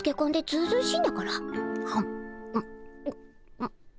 うん？